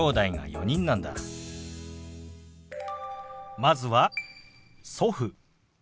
まずは「祖父」。